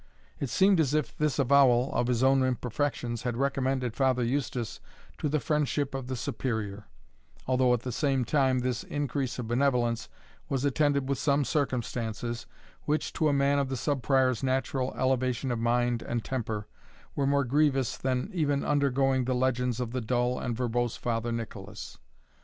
It seemed as if this avowal of his own imperfections had recommended Father Eustace to the friendship of the Superior, although at the same time this increase of benevolence was attended with some circumstances, which, to a man of the Sub Prior's natural elevation of mind and temper, were more grievous than even undergoing the legends of the dull and verbose Father Nicolas.